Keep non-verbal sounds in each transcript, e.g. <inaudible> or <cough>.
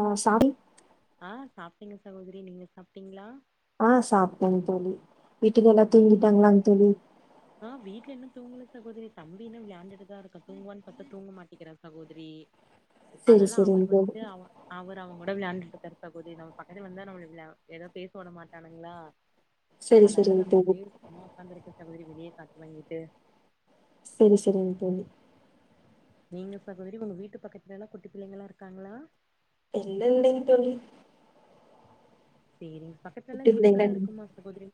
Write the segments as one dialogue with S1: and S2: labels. S1: ஓ சாமி
S2: ஆங் சாப்ட்டேங்க சகோதரி நீங்க சாப்ட்டீங்களா
S1: ஆ சாப்பிட்டேன்னு தோழி வீட்டுல எல்லாரு தூங்கிட்டாங்களாங்க தோழி
S2: ஆங் வீட்டுல இன்னு தூங்கல சகோதரி தம்பி இன்னு விளயாண்டுட்டுதா இருக்கான் தூங்குவான்னு பாத்தா தூங்கமாட்டேங்குறா சகோதரி
S1: செரி
S2: ஆனால
S1: செரிங்
S2: அவர்
S1: தோழி
S2: வந்துட்டு அவ அவரு அவே கூட விளாண்டுட்டு இருக்காரு சகோதரி நம்ம பக்கத்துல வந்தா நம்ம விளா ஏதாவது பேச விட மாட்டானுங்களா
S1: செரி
S2: ஆனால
S1: செரிங்
S2: நம்ம
S1: தோழி
S2: போயிருக்கோமோ உக்காந்து இருக்க சகோதரி வெளியே காத்து வாங்கிட்டு
S1: சரி சரிங்க தோழி
S2: நீங்க சகோதரி உங்க வீட்டு பக்கத்துல எல்லாம் குட்டி பிள்ளைங்களாம் இருக்காங்களா
S1: இல்ல இல்லேங்க தோழி
S2: சேரிங்க பக்கத்துலல்லா வீடுங்க எல்லா இருக்குமா சகோதரி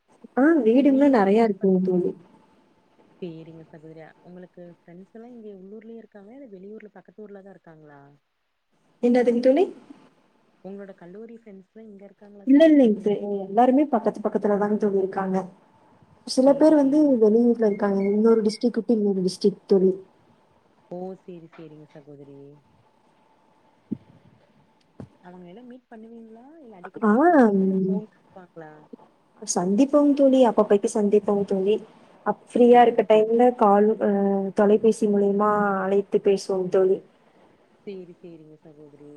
S1: ஆங்
S2: நீங்க
S1: வீடுங்கல்லா
S2: இருக்க
S1: நெறைய
S2: வீட்டு பக்
S1: இருக்கும்ங்க தோழி
S2: சேரிங்க சகோதரி ஒங்களுக்கு ஃப்ரெண்ட்ஸ் எல்லாம் இங்க உள்ளூர்லயே இருக்காங்களா இல்ல வெளியூர்ல பக்கத்துஊர்ல தா இருக்காங்களா
S1: என்னாதுங் தோழி
S2: உங்களோட கல்லூரி ஃப்ரெண்ட்ஸ் ஃப்ரென் இங்க இருக்காங்களா
S1: இல்ல
S2: சகோதரி
S1: இல்லைங்க
S2: வெளியூருக்கா
S1: எல்லாருமே பக்கத்து பக்கத்துலதாங்க தோழியிருக்காங்க சில
S2: சேரி
S1: பேரு வந்து
S2: சேரிங்க
S1: வெளியூர்ல இருக்காங்க இன்னொரு டிஸ்டிக்கு விட்டு இன்னொரு டிஸ்டிக் தொழி
S2: ஓ சேரி சேரிங்க சகோதரி அவங்க எல்லா மீட் பண்ணுவீங்களா இல்ல
S1: ஆ
S2: அடிக்கடி போய் பாப்பீங்களா இல்ல
S1: ம்
S2: ஃபோன் பாக்கலா
S1: சந்திப்போங் தோழி அப்பப்பைகி சந்திப்போங் தோழி அப் ஃப்ரீயா இருக்க
S2: சேரி சேரி
S1: டைம்ல காலு அ தொலைபேசி மூலியமா அழைத்து பேசுவோ தோழி
S2: சேரி சேரிங்க சகோதரி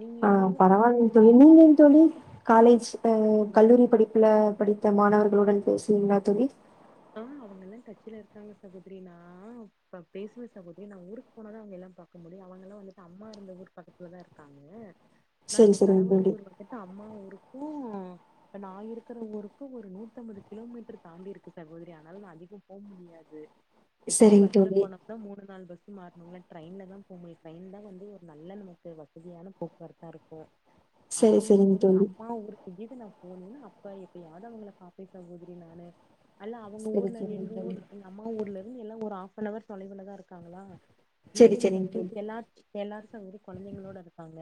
S2: நீங்க
S1: ஆ
S2: எங்கேயாவது வந்து
S1: பரவாயில்லங்
S2: வே
S1: தோழி நீங்கங் தோழி காலேஜ் அ கல்லூரி படிப்புல படித்த மாணவர்களுடன் பேசுவீங்களா தோழி
S2: ஆங் அவங்கல்லா டச்சுல இருக்காங்க சகோதரி நா பேசுவேன் சகோதரி நா ஊருக்கு போனாதா அவங்க எல்லாம் பாக்க முடியும் அவங்க எல்லாம் வந்துட்டு அம்மா இருந்த ஊர் பக்கத்துலதா இருக்காங்க நா
S1: சரி
S2: இங்க
S1: சரிங்க
S2: கணவர்
S1: தோழி.
S2: ஊர் வந்தே சா அம்மா ஊருக்கும் இப்ப நான் இருக்கிற ஊருக்கும் ஒரு நூத்தம்பது கிலோமீட்டர் தாண்டிருக்கு சகோதரி ஆனாலும் நா அதிகோ போ முடியாது எப்படியும்
S1: சரிங்க
S2: பஸ்ல
S1: தோழி.
S2: போனா அதா மூணு நாலு பஸ்ஸு மாறனும்ங்கள ட்ரெயின்லதான் போ முடியும் ட்ரெயின்தான் வந்து ஒரு நல்ல நமக்கு வசதியான போக்குவரத்தாருக்கும்
S1: <unintelligible>
S2: அப்படிங்கும்
S1: சரிங்க
S2: போது நா
S1: தோழி.
S2: அம்மா ஊருக் இங்கிது நா போனேன் அப்ப எப்ப யாவது அவங்கள பாப்பே சகோதரி நானு அல்லாம் அவுங்க
S1: சரி
S2: ஊர்ல
S1: சரிங்க
S2: எங்க
S1: தோழி.
S2: ஊர் எங்க அம்மா ஊர்ல இருந்து எல்லாம் ஒரு ஃஆப் நவர் தொலவிலதா இருக்காங்களா
S1: சரி சரிங்க
S2: வீட்டயும்
S1: தோழி.
S2: எல்லா <unintelligible> எல்லாரும் சகோதரி கொழந்தைங்களோட இருப்பாங்க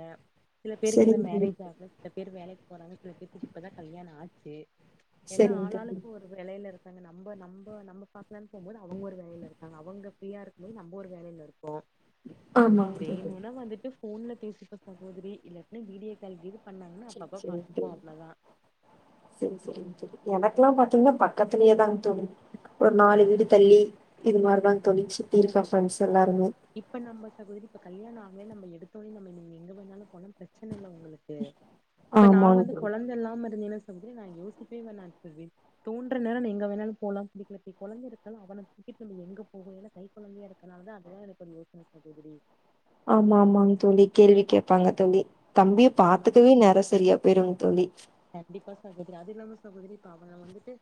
S2: சில பேருக்கு இன்னு
S1: சரிங்க தோழி.
S2: மேரேஜ் ஆகல சில பேரு வேலைக்கு போறாங்க சில பேத்துக்கு இப்பதா கல்யாணம் ஆச்சு எல்லா
S1: சரிங்க தோழி.
S2: ஆளாளுக்கும் ஒரு வேலைல இருக் தாங்க நம் நம்ம நம்ம பாக்கலானு போம்போது அவங்க ஒரு வேலைய இருக்காங்க அவங்க ஃப்ரியா இருக்கும்போது நம்ம ஒரு வேலையில இருப்போ
S1: ஆமாங்க தோழி.
S2: வேணுனுனா வந்துட்டு போன்ல பேசிப்ப சகோதரி இல்லாட்னா வீடியோ கால் ஏது பண்ணாங்கன்னா
S1: சரி
S2: அப்ப பாத்துப்போ அவ்ளோதா
S1: சேரி சேரி சேரிங்க தோழி எனக்குல்லா பாத்திங்னா பக்கத்துலேயேதாங் தோழி ஒரு நாலு
S2: அதான்
S1: வீடு
S2: சகோதரி
S1: தள்ளி இது மாரிதான்ங் தோழி சுத்தி இருக்க ஃப்ரெண்ட்ஸ்
S2: ஆஹ்
S1: எல்லாருமே
S2: இப்ப நம்ப சகோதரி இப்ப கல்யாணோ ஆகவே நம்ப எடுத்தோனையு நம்ப நீங்க எங்க வேணாலு போலா பிரச்சன இல்ல உங்களுக் இப்ப நா
S1: ஆமாங்க
S2: வந்து
S1: தோழி.
S2: கொழந்த இல்லாம இருந்தேன்ன சகோதரி நா யோசிக்கவே வேணா இப்பவே தோன்ற நேரோ நா எங்க வேணாலு போலா அப்படியே கெளம்பி கொழந்த இருக்க அவன துக்கிட்டு எங்க போக ஏன கை கொழந்தைய இருக் அதனாலதா அதெல்லா எனக்கு ஒரு யோசனைய இருக்குதடி
S1: ஆமா ஆமா தோழி கேள்வி கேட்பாங்க தோழி தம்பிய
S2: ஆமா
S1: பாத்துக்கவே நேரோ சரியா பெருந் தோழி
S2: கண்டிப்பா சகோதரி அது இல்லாம சகோதரி இப்ப அவங்க வந்துட்டு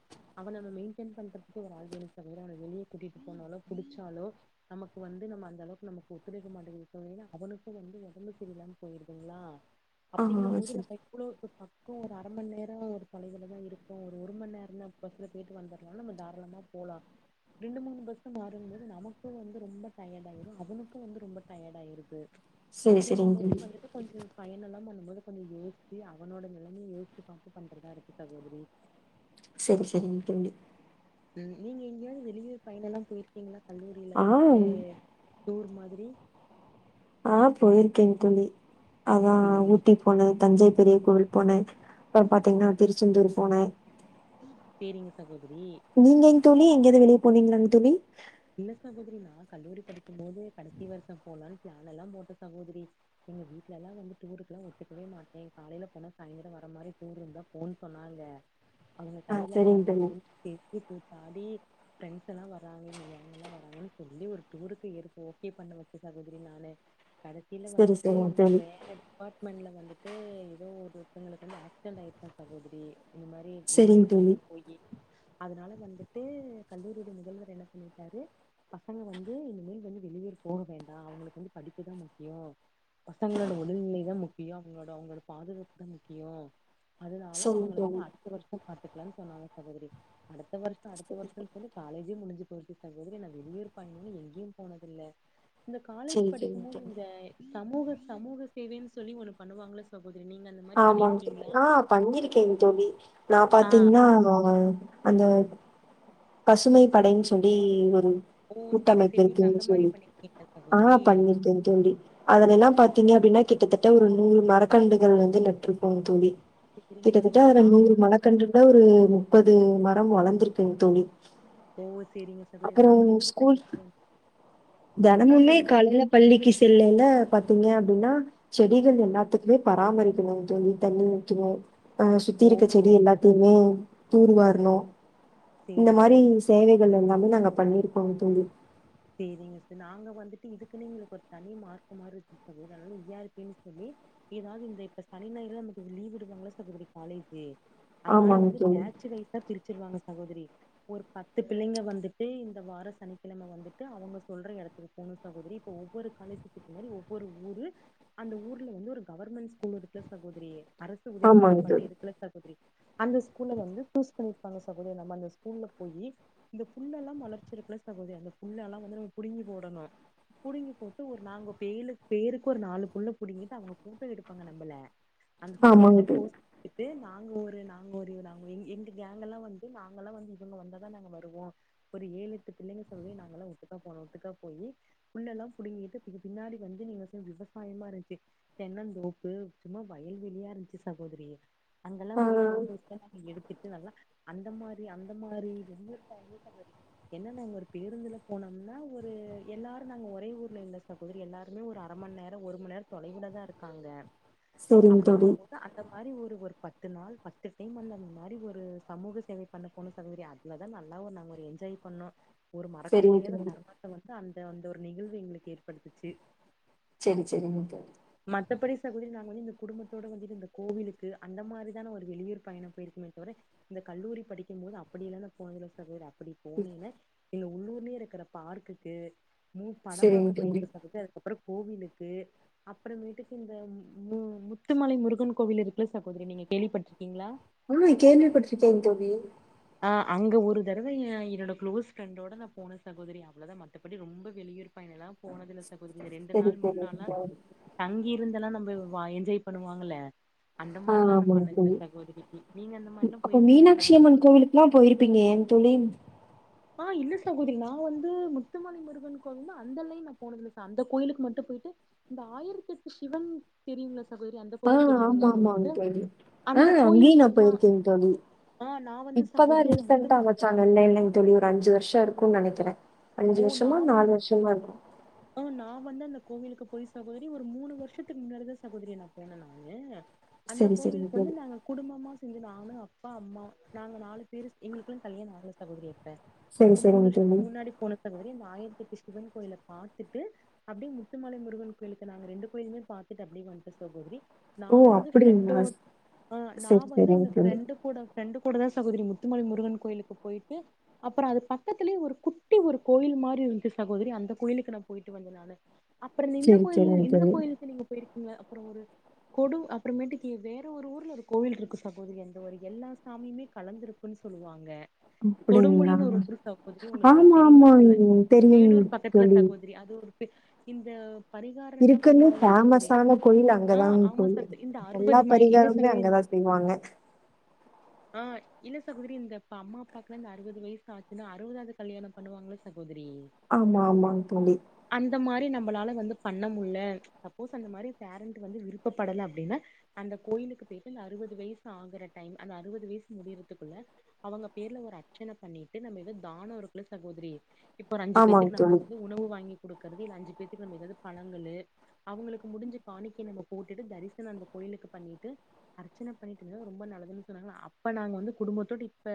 S2: அவன நா மெயின்டெயின் பண்றதுக்கு ஒரு ஆள் வேணு சகோதரி அவன வெளிய கூட்டிட்டு போனாலோ புடிச்சாலோ நமக்கு வந்து நம்ம அந்த அளவுக்கு நமக்கு ஒத்துழைக்க மாட்டேங்குது தோழி அவனுக்கு வந்து ஒடம்பு சரியிலாம பொயிருதுங்ளா
S1: ஆ
S2: அப்டிங்குபோது
S1: சரி
S2: <unintelligible> க்கு ஒரு அர மண் நேரோ ஒரு தொலைவுலதா இருக்கோ ஒரு மண் நேரதா பஸ்ல பொய்ட்டு வந்தற்லா நம்ம தாராளமா போலா ரெண்டு மூணு பஸ்சு மாறுனும்போது நமக்கு வந்து ரொம்ப டயாடாயிரு அவனுக்கு வந்து ரொம்ப டயாடாயிருது
S1: சரி
S2: அப்டிங்கு
S1: சரிங்க
S2: போது
S1: தோழி
S2: வந்துட்டு கொஞ்ச பயனெல்லா பண்ணும்போது கொஞ்சோ யோசிச்சு அவனோட நிலைமைய யோசிச்சு பாத்து பண்றதா இருக்கு சகோதரி
S1: சேரி சேரிங்க தோழி
S2: ம் நீங்க எங்கயாது வெளியூர் பயணல்லா போயிருக்கீங்ளா கல்லூரில
S1: ஆ
S2: வந்துட்டு டூர் மாதிரி
S1: ஆ பொயிருக்கே தோழி அதா
S2: சேரி
S1: ஊட்டி போனே தஞ்சை பெரிய கோவில் போனே அப்றோ பாத்திங்ன்னா திருச்செந்தூர் போனே
S2: சேரிங்க சகோதரி
S1: நீங்கங் தோழி எங்கயாவது வெளிய போனீங்ளாங் தோழி
S2: இல்ல சகோதரி நா கல்லூரி படிக்கும் போது கடைசி வருஷோ போலானு பிளான் எல்லா போட்டே சகோதரி எங்க வீட்டுல எல்லா வந்து டூருக்கெல்லா ஒத்துக்கவே மாட்டே காலையில போனா சாய்ந்தரோ வர மாரி டூர் இருந்தா போன்னு சொன்னாங்க
S1: <inaudible>
S2: அவுங்க கையில
S1: சரிங்க
S2: கால்ல
S1: தோழி
S2: விழுந்து கெஞ்சி கூத்தாடி ஃப்ரெண்ட்ஸ் எல்லா வர்றாங்க இங்க ல்லா வராங்கன்னு சொல்லி ஒரு டூருக்கு இருபோ ஓகே பண்ண வச்சு சகோதரி நானு கடைசில
S1: சரி
S2: வந்துட்டு
S1: சரிங்க
S2: இந்த
S1: தோழி
S2: வேற அபார்ட்மெண்ட்ல வந்துட்டு ஏதோ ஒருத்தங்ளுக்கு வந்து ஆக்சிடென்ட் ஆயிருச்சா சகோதரி இந்த மாரி
S1: சரிங்க
S2: வெளியூர்
S1: தோழி
S2: பயணோ போயி அதனால வந்துட்டு கல்லூரியுடைய முதல்வர் என்ன பண்ணி தாரு பசங்க வந்து இனிமேல் வந்து வெளியூர் போக வேண்டா அவுங்களுக்கு வந்து படிப்புதா முக்யோ பசங்களோட உடல்நிலை தா முக்கியோ அவுங்களோட அவுங்களோட பாதுகாப்பு தா முக்கியோ அதனால
S1: சரிங்க
S2: அவங்கள வந்து
S1: தோழி
S2: அடுத்த வருஷோ பாத்துக்லானு சொன்னாங்க சகோதரி அடுத்த வருஷோ அடுத்த
S1: சரி சரி
S2: வருஷோனு சொல்லி காலேஜே முடிஞ்சு பொயிருச்சு சகோதரி நா வெளியூர் பயனனு எங்கேயு போனதுல்ல இந்த காலேஜ்
S1: சரி சரிங்க
S2: படிக்கும்போது
S1: தோழி
S2: இந்த சமூக சமூக சேவைன்னு சொல்லி ஒண்ணு பண்ணுவாங்கள சகோதரி நீங்க அந்த மாரி
S1: ஆமா
S2: பண்ணிருக்கீங்களா
S1: அ பண்ணிருக்கே தோழி நா
S2: ஆ
S1: பாத்திங்ன்னா அந்த பசுமை படைன்னு சொல்லி ஒரு
S2: ஓ செரி
S1: கூட்டமைப்பு
S2: செரி நீங்க
S1: இருக்கேன்னு
S2: அந்த மாரி
S1: சொல்லி
S2: பண்ணிருக்கீங்களா
S1: அ
S2: சகோதரி
S1: பண்ணிருக்கே தோழி அதுலலெல்லா பாத்தீங்க அப்டின்னா கிட்டத்தட்ட ஒரு நூறு மரக்கண்டுகள் வந்து நட்டுருப்போ தோழி
S2: செரிங்க
S1: கிட்டத்தட்ட
S2: சகோதரி
S1: ஒரு
S2: நாங்க
S1: நூறு
S2: வந்து
S1: மர கன்றுள்ள ஒரு முப்பது மரோ வளர்ந்ருக்கு தோழி
S2: ஓ சேரிங்க
S1: அப்புறோ ஸ்கூல்
S2: ஆ
S1: தினமுமே
S2: சொல்லுங்க
S1: காலையில
S2: சொல்லுங்க
S1: பள்ளிக்கு செல்லல்ல பாத்தீங்க அப்டினா செடிகள் எல்லாத்துக்குமே பராமரிக்கணுந் தோழி தண்ணி ஊத்தணு அ சுத்தி
S2: ஓ
S1: இருக்க செடி
S2: செரி
S1: எல்லாத்தையுமே தூர்வாரணு இந்த
S2: சேரிங்க
S1: மாரி
S2: சேரிங்க
S1: சேவைகள் எல்லாமே நாங்க பண்ணிருக்கோங் தோழி
S2: சேரிங்க சே நாங்க வந்துட்டு இதுக்குன்னே எங்களுக்கு ஒரு தனி மார்க்கு மாரி இ ஆர் பின் சொல்லி எதாவது இந்த இப்ப சனி ஞாயிறுல நமக்கு லீவ் விடுவாங்கள்ள சகோதிரி காலேஜ் அதனால
S1: ஆமாங்
S2: வந்து
S1: தோழி
S2: பேட்சு வைய்ஸா பிரிச்சிருவாங்க சகோதரி ஒரு பத்து பிள்ளைங்க வந்துட்டு இந்த வார சனிக்கிழம வந்து ட்டு அவுங்க சொல்ற எடத்துக்கு போகுனு சகோதரி இப்ப ஒவ்வொரு காலேஜிக்கு பின்னாடி ஒவ்வொரு ஊரு அந்த ஊர்ல வந்து ஒரு கவர்மெண்ட் ஸ்கூல் இருக்கல்ல சகோதரி அரசு உதவி
S1: ஆமாங்
S2: பெறும் பள்ளி
S1: தோழி
S2: இருக்கல்ல சகோதரி அந்த ஸ்கூல்ல வந்து சூஸ் பண்ணிருக்காங்க சகோதரி நம்ம அந்த ஸ்கூல்ல போயி அந்த புல் எல்லா மொளச்சிருக்கல்ல சகோதிரி அந்த புல் எல்லா வந்து நம்ம புடுங்கி போடணு புடுங்கி போட்டு ஒரு நாங்க பேழு பேருக்கு ஒரு நாலு புல்ல புடிங்கிட்டு அவுங்க போட்டோ எடுப்பாங்க நம்மள அந்த
S1: ஆமாங்
S2: ஃபோட்டோகெல்லா
S1: தோழி
S2: போஸ் த்து நாங்க ஒரு நாங்க ஒரு நாங்க எங் எங்க கேங்கெல்லா வந்து நாங்க எல்லா வந்து இவுங்க வந்தாதா நாங்க வருவோ ஒரு ஏழு எட்டு பிள்ளைங்க தோழி நாங்க எல்லா ஒட்டுக்கா போனோ ஓட்டுக்கா போயி புல்லெல்லா புடுங்கிட்டு இதுக்கு பின்னாடி வந்து நீங்க செ விவசாயமா இருஞ்ச்சு தென்னந்தோப்பு சும்மா வயல் வெளியா இருந்துச்சு சகோதரி அங்கெல்லா
S1: ஆ
S2: போய் ஃபோட்டோஸ்தான் நாங்க எடுத்துட்டு நல்லா அந்த மாரி அந்த மாரி ஒவ்வொரு ஃபேமிலிக்கு இருக்க என்ன நாங்க ஒரு பேருந்துல போனம்னா ஒரு எல்லாரு நாங்க ஒரே ஊர்ல இல்ல சகோதரி எல்லாருமே ஒரு அர மண்நேரோ ஒரு மண்நேரோ தொலைவிலதா இருக்காங்க
S1: சரிங் தோழி
S2: அப்டிங்கும்போது அந்த மாரி ஒரு ஒரு பத்து நாள் பத்து டைம் அந்த அந்த மாரி ஒரு சமூக சேவை பண்ண போன சகோதரி அங்தா நல்லாவு நாங்க ஒரு என்ஜாய் பண்ணோ ஒரு ம றக்க
S1: செரிங்க
S2: முடியாத
S1: தோழி
S2: தருனத்த வந்து அந்த அந்த ஒரு நிகழ்வு எங்களுக்கு ஏற்படுத்துச்சு
S1: சேரி சேரிங்க தோழி
S2: மத்தபடி சகோதரி நாங்க வந்து இந்த குடும்பத்தோட வந்துட்டு இந்த கோவிலுக்கு அந்த மாரிதான ஒரு வெளியூர் பயணம் போயிருக்குமே தவிர இந்த கல்லூரி படிக்கும்போது அப்டியல்லா நா போனதில்ல சகோதரி அப்டி போனீனா இல்ல உள் ஊருலயே இருக்கிற பார்க்குக்கு மூ படம்
S1: செரிங்க
S2: பாக்க போய்
S1: தோழி
S2: இருக்கேன் சகோதரி‍ அதுக்கப்பறோ கோவிலுக்கு அப்பறம் மேட்டுக்கு இந்த ம் முத்துமலை முருகன் கோவில் இருக்கல்ல சகோதரி நீங்க கேள்வி பட்டிருக்கீங்ளா
S1: ம் கேள்வி பட்டிருக்கேன் தோழி
S2: அ அங்க ஒரு தரவ என் என்னோட குளோஸ் ஃப்ரெண்டோட நா போன சகோதரி அவ்ளதா மத்தபடி ரொம்ப வெளியூர் பயண எல்லா போனதில்ல சகோதரி ரெண்டு
S1: செரி
S2: நாள் மூண்
S1: செரிங்க
S2: நாள்லா
S1: தோழி
S2: தங்கியிருந்து எல்லா நம்ம வா என்ஜாய் பண்ணு வாங்கல்ல அந்த
S1: ஆ
S2: மாரில்லா நா
S1: ஆமாங்க
S2: பண்ணதில்ல
S1: தோழி
S2: சகோதரிக்கு நீங்க அந்த மாரி எல்லா போயிருக்கீங்ளா நண்பர்களோ
S1: எல்லா போயிருப்பீங்க ஏன் தோழி
S2: ஆ இல்ல சாகோதரி நா வந்து முத்துமலை முருகன் கோவில்ல அந்த லைன் நா போனதில்லை ச அந்த கோயிலுக்கு மட்டு போயிட்டு இந்த ஆயிரத்தெட்டு சிவன் தெரியுங்ளா சகோதரி அந்த
S1: ஆ
S2: கோவில்
S1: ஆமா
S2: தெரியுங்ளா
S1: ஆமாங்க
S2: உங்களுக்கு
S1: தோழி ஆ
S2: அந்த கோயில்
S1: அங்கேயு
S2: போய் நா
S1: போயிருக்கேங் தோழி
S2: ஆ நா வந்து சகோதரி அந்த முத்து மல
S1: நல்லா இல்லைங் தோழி ஒரு அஞ்சு வருஷோ இருக்குன்னு நெனைக்கிற
S2: ஒ நா வந் அ நா வந்து அந்த கோவிலுக்கு போய் சகோதரி ஒரு மூணு வருஷத்துக்கு முன்னாடிதா சகோதரி நா போன நானு அந்த
S1: செரி செரிங்க
S2: கோவிலுக்கு வந்து
S1: தோழி
S2: நாங்க குடும்பமா செஞ்சு நானு அப்பா அம்மா நாங்க நாலு பேரு எங்களுக்கு இன்னு கல்யாணோ ஆகல சகோதரி இப்ப
S1: செரி
S2: அப்ப மூணு
S1: செரிங்க தோழி
S2: வருஷத்துக்கு முன்னாடி போனே சகோதரி இந்த ஆயிரத்தெட்டு சிவன் கோயில பாத்துட்டு அப்டிங் முத்துமலை முருகன் கோயிலுக்கு நாங்க ரெண்டு கோயிலுமே பாத்துட்டு அப்டியே வந்துட்டோ சகோதரி நா
S1: ஓ
S2: வந்து
S1: அப்டிங்களா
S2: ஃப்ரெண்டோட ஆ நா
S1: செரி
S2: வந்து
S1: செரிங்க
S2: அந்த
S1: தோழி
S2: ஃப்ரெண்டு கூட ஃப்ரெண்ட்டு கூட தா சகோதரி முத்துமலை முருகன் கோயிலுக்கு பொயிட்டு அப்பறோ அது பக்கத்துலயே ஒரு குட்டி ஒரு கோயில் மாரி இருந்துச்சு சகோதரி அந்த கோயிலுக்கு நா பொயிட்டு வந்தே நானு அப்பறோ இந்த
S1: செரி
S2: கோயில்
S1: செரிங்க
S2: இந்த
S1: தோழி
S2: கோயிலு தே நீங்க போயிருக்கீங்களா அப்பறோ ஒரு கொடு அப்பறமேட்டிக்கி வேற ஒரு ஊர்ல ஒரு கோவில்ருக்கு சகோதரி அந்த ஒரு எல்லா சாமியுமே கலந்துருக் ஒன் சொல்லுவாங்க
S1: அப்டிங்களா
S2: கொடுமுடினு ஒரு புது சகோதரி உங்களுக்கு அது
S1: ஆமா
S2: தெரியுமான்
S1: ஆமாங்க தெரியுங்க
S2: வேலூர் பக்கத்துல
S1: தோழி
S2: சகோதரி அது ஒரு பிக் இந்த பரிகாரம்லா
S1: இருக்கற்லையு
S2: பண்ணுவாங்கல்ல சகோதரி
S1: ஃபேமஸான கோயில் அங்க
S2: ஆ
S1: தா
S2: ஆமா
S1: தோழி
S2: சகோ இந்த
S1: எல்லா
S2: அறுபது மலை இல்ல
S1: பரிகாரமுமே
S2: சகோதரி
S1: அங்க தா செய்வாங்க
S2: ஆ இல்ல சகோதரி இந்த ப அம்மா அப்பாக்குலா இந்த அறுவது வய்சு ஆச்சுன்னா அறுவதாவது கல்யாணம் பண்ணுவாங்கல சகோதரி
S1: ஆமா ஆமாங்க தோழி
S2: அந்த மாரி நம்பளால வந்து பண்ணமுல்ல சப்போஸ் அந்த மாரி பேரண்ட்டு வந்து விருப்பப்படல அப்டின்னா அந்த கோயிலுக்கு பொயிட்டு இந்த அறுவது வயசு ஆகுற டைம் அந்த அறுவது வயசு முடியறதுக்குள்ள அவுங்க பேர்ல ஒரு அர்ச்சன பண்ணீட்டு நம்ம எதோ தானோ இருக்குல சகோதரி இப்போ ஒரு அஞ்சு
S1: ஆமாங்
S2: பேத்துக்கு நம்ம
S1: தோழி
S2: வந்து உணவு வாங்கி குடுக்குறது இல்ல அஞ்சு பேத்துக்கு நம்ம எதாவது பழங்களு அவுங்களுக்கு முடிஞ்ச காணிக்கைய நம்ம போட்டுட்டு தரிசனோ அந்த கோயிலுக்கு பண்ணீட்டு அர்ச்சன பண்ணிட்ருந்தது ரொம்ப நல்லதுன்னு சொன்னாங்களா அப்ப நாங்க வந்து குடும்பத்தோட இப்ப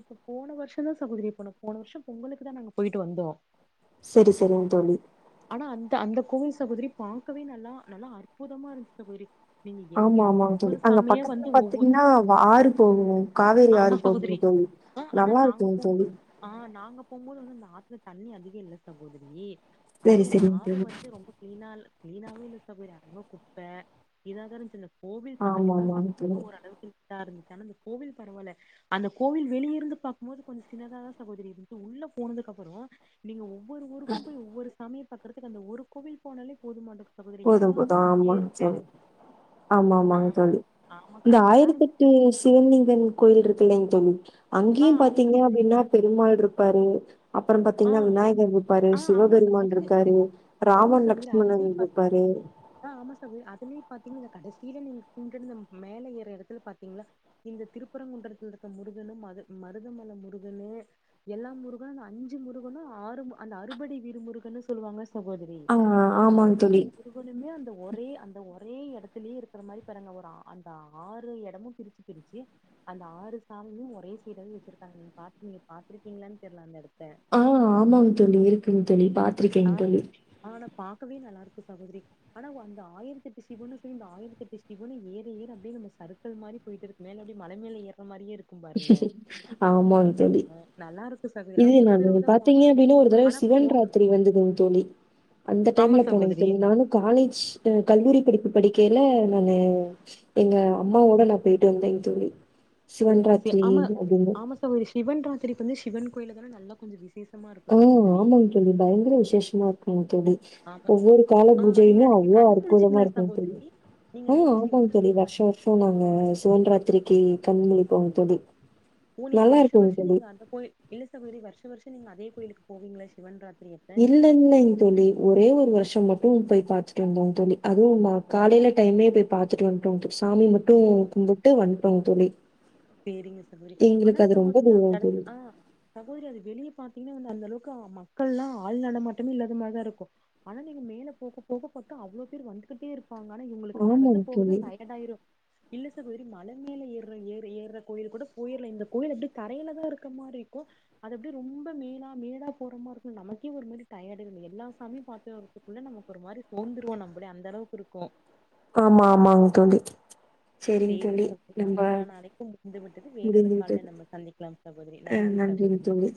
S2: இப்போ போன வருஷந்தா சகோதரி போனோ போன வர்ஷோ பொங்களுக்கு தா நாங்க பொயிட்டு வந்தோ
S1: செரி செரிங் தோழி
S2: ஆனா அந்த அந்த கோவில் சகோதரி பாக்கவே நல்லா நல்லா அற்புதமா இருந்துச்சு சகோதரி நீங்க என்
S1: ஆமா
S2: நீங்க
S1: ஆமாங்க தோழி
S2: ஒவ்வொரு
S1: அங்க
S2: சாமியா
S1: பக்கத்துல
S2: வந்து ஒவ்வொ
S1: பாத்தீங்னா வா ஆறு போகு காவேரி
S2: ஆமா
S1: ஆறு
S2: சகோதரி
S1: போகுதுங்க தோழி
S2: ஆ ஆனா
S1: நல்லா
S2: நாங்க
S1: இருக்குங்க தோழி
S2: போம்போது ஆ நாங்க போம்போது வந்து அந்த ஆத்துல தண்ணி அதிகோ இல்ல சகோதரி ஆனா
S1: செரி
S2: என்ன
S1: செரிங்
S2: ஆறு
S1: தோழி
S2: வந்து ரொம்ப க்ளீனா இல் க்ளீனாவே இல்ல சகோதரி அவ்ளோ குப்ப க்ளீனா தா இருந்துச்சு இந்த கோவில்
S1: ஆமா
S2: பக்கத்துல தா
S1: ஆமாங்
S2: சகோதரி
S1: தோழி
S2: எதோ ஒரு அளவுக்கு நீட்டா இருந்துச்சு ஆனா இந்த கோவில் பரவால்ல அந்த கோவில் வெளிய இருந்து பாக்கும்போது கொஞ்ச சின்னதா தா சகோதரி இருந்துச்சு உள்ள போனதுக்கு அப் வரு நீங்க ஒவ்வொரு ஊருக்கும போய் ஒவ்வொரு சாமிய பாக்கறதுக்கு அந்த ஒரு கோவில் போனாலே போதும் மாட்டுக்
S1: போதும் போதும் ஆமாங்க சொல்லு ஆமா
S2: ஆ
S1: ஆமாங்க
S2: ஆமா ச-
S1: இந்த
S2: ஆனா நல்லா இருந்துச்சு
S1: ஆயிரத்தெட்டு
S2: சகோதரி
S1: சிவலிங்கன் கோயில் இருக்குல்லேங் தோழி
S2: ஆ
S1: அங்கயு
S2: ஆமா
S1: பாத்தீங்க
S2: சகோதரி
S1: அப்டின்னா பெருமாள் இருப்பாரு அப்பறம்
S2: ஆ
S1: பாத்தீங்கன்னா விநாயகர் இருப்பாரு
S2: ஆ ஆமா ச
S1: சிவபெருமான்
S2: அதுல
S1: இருக்காரு ராமன் லக்ட்சுமணன் இருப்பாரு
S2: ஆ ஆமா சகோதரி அதுலயு பாத்தீங்ன்னா இந்த கடசீல நீங்க <unintelligible> மேல ஏற எடத்துல பாத்தீங்களா இந்த திருப்பரங்குன்றத்தில் இருக்க முருகனும் மது மருதமல முருகனு எல்லா முருகனு இந்த அஞ்சு முருகனு ஆறு அந்த அறுபடை வீடு முருகன்னு சொல்லுவாங்க சகோதரி ரி
S1: ஆ
S2: அந்த
S1: ஆமாங்க
S2: அறுபடை
S1: தோழி
S2: முரு எப்போதுமே அந்த ஒரே அந்த ஒரே எடத்துலயே இருக்குற மாரி பாருங்க ஒரு ஆ அந்த ஆறு எடமு பிரிச்சுட் திருச்சி அந்த ஆறு சாமியு ஒரே சைடு வந்து வச்சுருக்காங்க நீங்க பாத்தீங்க நீங்க பாத்துருக்கீங்களான்னு தெர்ல அந்த எடத்த
S1: ஆ ஆமாங் தோழி இருக்குங்க தோழி பாத்
S2: அ ஆனா பாக்கவே நல்லா இருக்கு சகோதரி ஆனா வொ அந்த ஆயிரத்தெட்டு சிவனு சேந்து ஆயிரத்தெட்டு சிவனு ஏற ஏற அப்டியே நம்ம சருக்கள் மாரி போய்ட்டுருக்கு மேல அப்டெ மல மேல ஏற மாரியே இருக்
S1: ஆமாங் தோழி
S2: நல்லா இருக்கு சக
S1: இது நானு பாத்திங்க அப்டினா ஒரு தடவ சிவன்
S2: போக
S1: ராத்ரி வந்ததுங் தோழி அந்த
S2: ஆமா
S1: டைம்ல போனேங்
S2: சகோதரி
S1: தோழி நானு காலேஜ் கல்லூரி படிப்பு படிக்கைல நானு எங்க அம்மாவோட நா பொய்ட்டு வந்தேங் தோழி சிவன் ராத்ரி அப்டின்னு
S2: ஒரு சிவன் ராத்ரிகு வந்து சிவன் கோயில்ல தான நல்லா கொஞ்ச விசேஷ
S1: ம் ஆமாங் தோழி பயங்கர விசேஷமா இருக்கு தோழி
S2: ஆமா
S1: ஒவ்வொரு கால
S2: ஆ நீங்க
S1: பூஜையிலு
S2: அன்னைக்கு
S1: அவ்ளோ
S2: கண்ணு
S1: அற் புதமா
S2: முழிச்சீங்களா
S1: இருக்கு தோழி
S2: சகோதரி நீங்க
S1: அ
S2: நைட்டு
S1: ஆமாங்
S2: சிவன்
S1: தோழி
S2: ராத்திரி கண்
S1: வர்ஷோ வர் சோ நாங்க சிவன்ராத்ரிக்கு கண் முழிப்போங் தோழி
S2: ஓ நீங்க
S1: நல்லா
S2: வர்ஷ
S1: இருக்குங்க
S2: வர்ஷ
S1: தோழி.
S2: நீங்க அந்த கோய் இல்ல சகோதரி வர்ஷ வர்ஷ நீங்க அதே கோயிலுக்கு போவிங்ளா சிவன்ராத்
S1: இல்ல இல்லைங் தோழி ஒரே ஒரு வருஷம் மட்டு போய் பாத்துட்டு வந்தோங் தோழி அதுவு
S2: ஓ
S1: காலைல டைமே போய் பாத்துட்டு வந்துட்டோங் சாமி மட்டு
S2: ஓ
S1: கும்புட்டு வந்ட்டோங் தோழி
S2: சேரிங்க சகோதரி ஆனா
S1: எங்களுக்கு அது ரொம்ப
S2: சகோதிரி அந்த
S1: தூரம்
S2: எடத்
S1: தோழி.
S2: ஆ சகோதிரி அது வெளிய பாத்திங்னா வந்து அந்த அளவுக்கு மக்கள்லா ஆள் நடமாட்டமே இல்லாத மாரிதா இருக்கு ஆனா நீங்க மேல போக போகப்பாத்தா அவ்ளோ பேர் வந்துகிட்டே இருக் பாங்கான இவங்ளுக்கு நடந்து
S1: ஆமாங்க
S2: போகுது
S1: தோழி.
S2: டயட் ஆயிரு இல்ல சகோதரி மல மேல ஏற ஏ ஏறுற கோயில் கூட போயிர்ல இந்த கோயில் அப்டி தரைல தா இருக்க மாரி இருக்கு அது அப்டியே ரொம்ப மேலா மேலா போறமாரி இருக்கு நமக்கே ஒரு மாரி டயர்ட் இருந்து எல்லா சாமியு பாத்து வர்துக்குள்ள நம்ம ஒரு மாரி சோந்துருவோ நம்ளே அந்தளவுக்கு இருக்கு
S1: ஆமா ஆமாங் தோழி சரிங்க
S2: சேரிங்
S1: தோழி.
S2: சகோத்ரி
S1: நம்ப
S2: நமக்கான அழைப்பு முடிந்து விட்டது வேறொரு
S1: முடிந்து
S2: கால்ல
S1: விட்டது.
S2: நம்ம சந்திக்லாம் சகோதிரி
S1: அ
S2: நன்றி
S1: நன்றிங்க
S2: சகோதிரி
S1: தோழி.